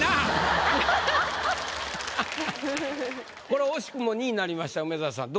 これ惜しくも２位になりました梅沢さん